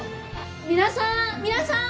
皆さん皆さん！